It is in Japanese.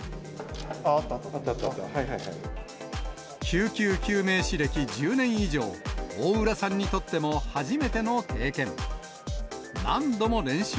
救急救命士歴１０年以上、大浦さんにとっても、初めての経験。